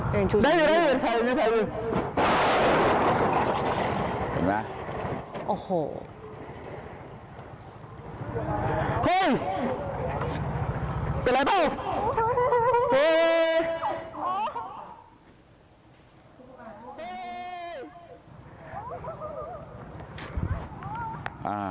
ได้ไม่ได้ไม่เปล่าไม่เปล่าไม่เปล่า